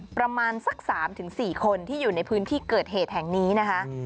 ประมาณสัก๓๔คนที่อยู่ในพื้นที่เกิดเหตุแห่งนี้นะคะ